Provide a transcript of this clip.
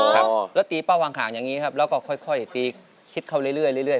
ครับแล้วตีเป้าวางห่างอย่างนี้ครับแล้วก็ค่อยตีคิดเข้าเรื่อย